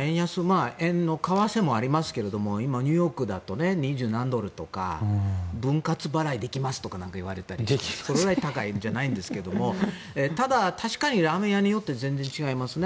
円安円の為替もありますけれども今、ニューヨークだと２０何ドルとか分割払いできますとか言われたりそれぐらい高いんじゃないんですけどもただ、確かにラーメン屋によって全然違いますね